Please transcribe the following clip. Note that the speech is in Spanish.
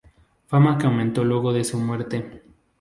Fama que aumentó luego de su muerte.